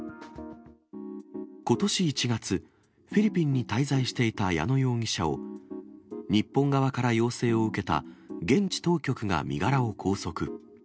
ことし１月、フィリピンに滞在していた矢野容疑者を、日本側から要請を受けた現地当局が身柄を拘束。